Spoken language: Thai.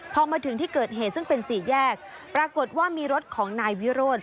พอมาถึงที่เกิดเหตุซึ่งเป็นสี่แยกปรากฏว่ามีรถของนายวิโรธ